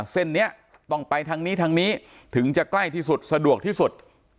เส้นนี้ต้องไปทางนี้ทางนี้ถึงจะใกล้ที่สุดสะดวกที่สุด